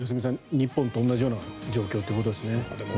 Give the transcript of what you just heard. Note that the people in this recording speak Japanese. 日本と同じような状況ということですね。